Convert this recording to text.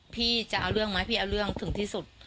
พี่จะเอาเรื่องไหมพี่เอาเรื่องถึงที่สุด